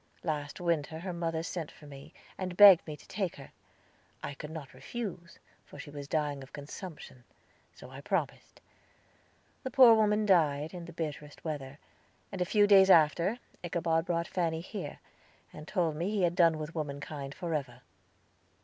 Last winter her mother sent for me, and begged me to take her. I could not refuse, for she was dying of consumption; so I promised. The poor woman died, in the bitterest weather, and a few days after Ichabod brought Fanny here, and told me he had done with womankind forever.